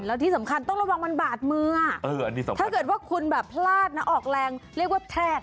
แล้วที่สำคัญต้องระวังมันบาดมือถ้าเกิดว่าคุณแบบพลาดนะออกแรงเรียกว่าแทรก